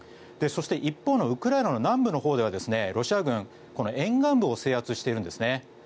そして一方のウクライナの南部のほうではロシア軍この沿岸部を制圧しているんですね。